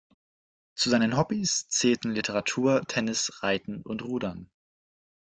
Zu seinen Hobbys zählten Literatur, Tennis, Reiten und Rudern.